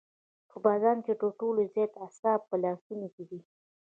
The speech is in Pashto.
په بدن کې تر ټولو زیات اعصاب په لاسونو کې دي.